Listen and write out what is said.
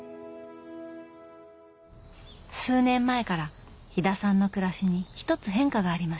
数年前から飛田さんの暮らしに一つ変化がありました。